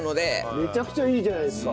めちゃくちゃいいじゃないですか。